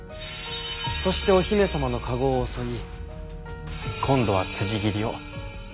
そしてお姫様の駕籠を襲い今度は辻斬りを。